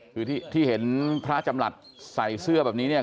คือที่เห็นพระจำหลัดใส่เสื้อแบบนี้เนี่ย